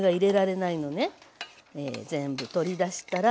全部取り出したら。